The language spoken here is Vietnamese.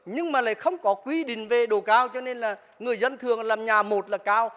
nhưng mà lại không có quy định về độ cao cho nên là người dân thường làm nhà một là cao